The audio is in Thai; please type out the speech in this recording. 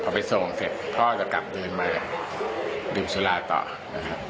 พอไปส่งเสร็จพ่อจะกลับเดินมาดื่มสุราต่อนะครับ